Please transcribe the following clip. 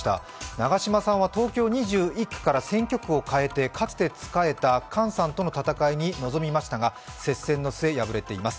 長島さんは東京２１区から選挙区を変えてかつて仕えた菅さんとの戦いに挑みましたが接戦の末、敗れています。